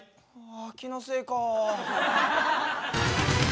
あ気のせいか。